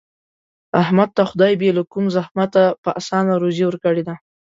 احمد ته خدای بې له کوم زحمته په اسانه روزي ورکړې ده.